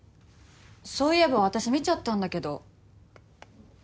そういえば私見ちゃったんだけど。